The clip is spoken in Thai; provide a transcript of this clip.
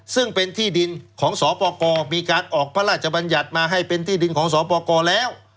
ซึ่งเป็นที่ดินของสปกรมีการออกพระราชบัญญัติมาให้เป็นที่ดินของสปกรแล้ว